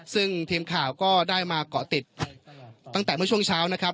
ซึ่งทีมข่าวก็ได้มาเกาะติดตั้งแต่เมื่อช่วงเช้านะครับ